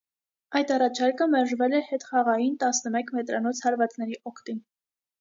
Այդ առաջարկը մերժվել է հետխաղային տասնմեկ մետրանոց հարվածների օգտին։